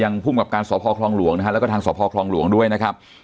ภูมิกับการสพคลองหลวงนะฮะแล้วก็ทางสพคลองหลวงด้วยนะครับ